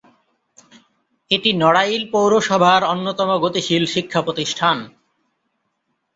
এটি নড়াইল পৌরসভার অন্যতম গতিশীল শিক্ষা প্রতিষ্ঠান।